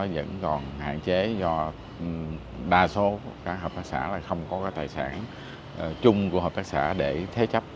vẫn còn hạn chế do đa số các hợp tác xã không có tài sản chung của hợp tác xã để thế chấp